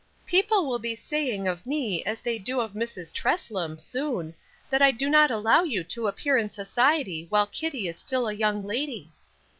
"People will be saying of me, as they do of Mrs. Treslam, soon, that I do not allow you to appear in society while Kitty is still a young lady."